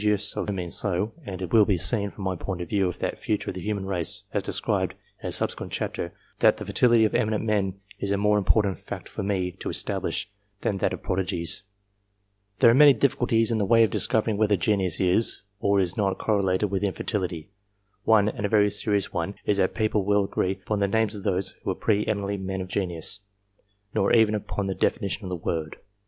I have, however, shown, that men of eminence, such as the Judges, are by no means so, and it will be seen, from my point of view of the future of the human race, as described in a subsequent chapter, that the fertility of eminent men is a more important fact for me to establish, than that of prodigies. There are many difficulties in the way of discovering whether genius is, or is not, correlated with infertility. One and a very serious one is that people will not 320 COMPARISON OF RESULTS agree upon the names of those who are pre eminently men of genius, nor even upon the definition of the word.